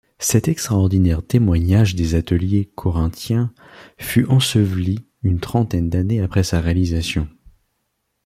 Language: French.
Cet extraordinaire témoignage des ateliers corinthiens fut enseveli une trentaine d'années après sa réalisation.